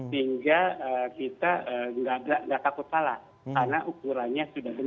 sehingga kita nggak takut salah karena ukurannya sudah benar